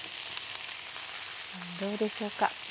どうでしょうか。